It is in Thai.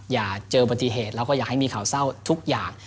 อย่าเจอปฏิเหตุแล้วก็อยากให้มีข่าวเศร้าทุกอย่าง